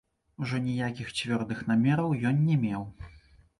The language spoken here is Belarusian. Ужо ніякіх цвёрдых намераў ён не меў.